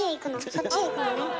そっちへ行くのね？